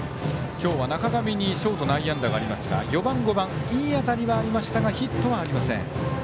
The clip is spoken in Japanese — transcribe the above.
今日は中上にショート内野安打がありますが４番、５番いい当たりはありましたがヒットはありません。